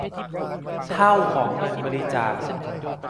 เท่าของเงินบริจาค